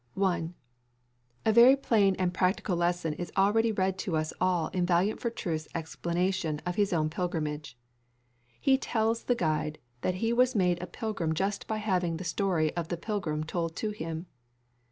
1. A very plain and practical lesson is already read to us all in Valiant for truth's explanation of his own pilgrimage. He tells the guide that he was made a pilgrim just by having the story of The Pilgrim told to him.